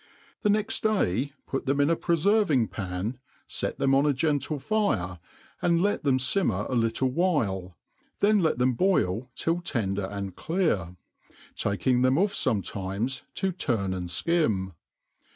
The next day put them in a preferving pan, fet them pn a gentle fire, and let them fitpmer a little while, then let them boil till tender and clear, taking them oflF fometimes to turn and fkim.